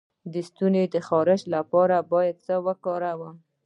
د ستوني د خارش لپاره باید څه وکاروم؟